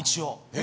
・え！